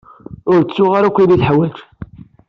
Ur d-tuɣ ara akk ayen i teḥwaj.